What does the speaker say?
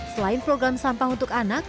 selain program sampah untuk anak